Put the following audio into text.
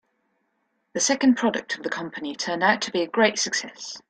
The second product of the company turned out to be a great success.